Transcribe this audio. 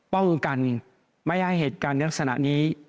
ป้องกันไม่ให้เหตุการณ์สนานี้